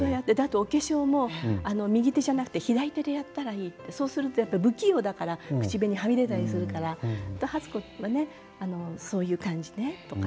お化粧も右手じゃなくて左手でやったらいいとそうすると不器用だから口紅がはみ出たりするからハツ子はそういう感じねとか。